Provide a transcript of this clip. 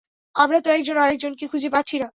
আমরা তো একজন আরেকজনকেই খুঁজে পাচ্ছি না।